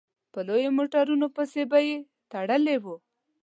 په لویو موټرانو پسې به يې تړلي وو.